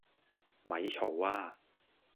咪嘈呀！